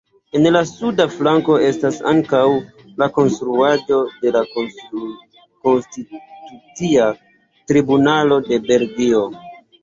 En la suda flanko estas ankaŭ la konstruaĵo de la Konstitucia Tribunalo de Belgio.